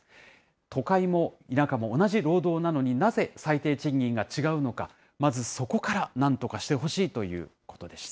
都会も田舎も同じ労働なのに、なぜ最低賃金が違うのか、まずそこからなんとかしてほしいということでした。